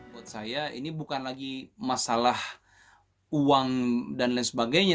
buat saya ini bukan lagi masalah uang dan lain sebagainya